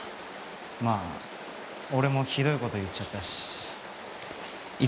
まあ俺もひどいこと言っちゃったし一応心配で。